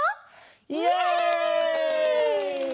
イエイ。